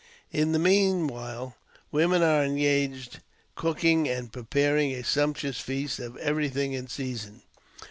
In the meanwhile, women are engaged cooking and pre paring a sumptuous feast of everything in season.